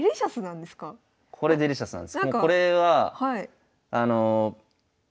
これデリシャスなんです。